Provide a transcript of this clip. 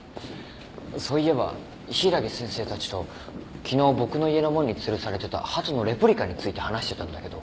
そういえば柊木先生たちと昨日僕の家の門につるされてたハトのレプリカについて話してたんだけど。